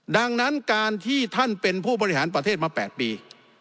ดังนั้นการที่ท่านเป็นผู้บริหารประเทศมา๘ปี